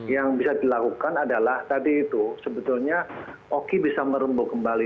yang bisa dilakukan adalah tadi itu sebetulnya oki bisa merembuk kembali